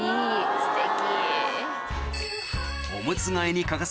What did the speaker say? すてき。